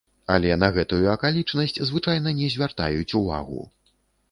Але на гэтую акалічнасць звычайна не звяртаюць увагу.